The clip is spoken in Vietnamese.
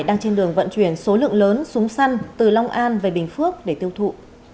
đang trên đường vận chuyển số lượng lớn súng săn từ long an về bình phước để tiêu thụ